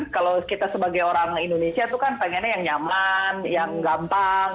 kalau kita sebagai orang indonesia itu kan pengennya yang nyaman yang gampang